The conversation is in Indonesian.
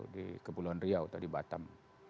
di kepulauan riau atau di batam